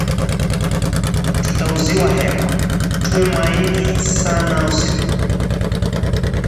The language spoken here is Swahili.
"Tutauziwa hewa!" tuwe maini sana usiku huu